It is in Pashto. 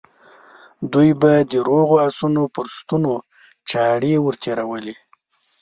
دوی به د روغو آسونو پر ستونو چاړې ور تېرولې.